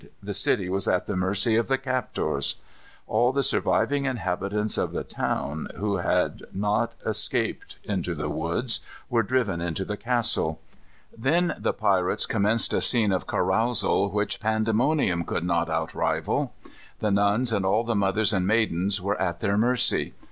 The city was at the mercy of the captors. All the surviving inhabitants of the town, who had not escaped into the woods, were driven into the castle. Then the pirates commenced a scene of carousal which pandemonium could not outrival. The nuns and all the mothers and maidens were at their mercy.